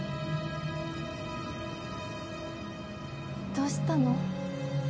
どうしたの？